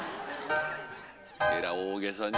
えらい大げさに。